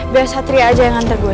biar satri aja yang antar gue